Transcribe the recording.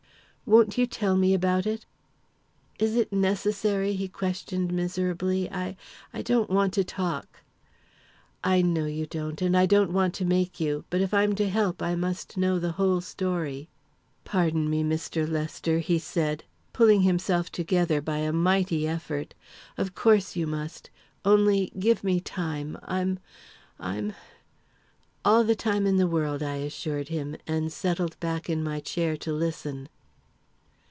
"Won't you tell me about it?" "Is it necessary?" he questioned miserably. "I I don't want to talk." "I know you don't, and I don't want to make you. But if I'm to help, I must know the whole story." "Pardon me, Mr. Lester," he said, pulling himself together by a mighty effort. "Of course you must. Only give me time. I'm I'm " "All the time in the world," I assured him, and settled back in my chair to listen.